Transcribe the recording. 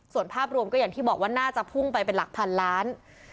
ส่วนภาพรวมก็อย่างที่บอกว่าน่าจะพุ่งไปเป็นหลักพันล้าน